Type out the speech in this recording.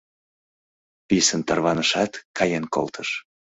Писын тарванышат, каен колтыш.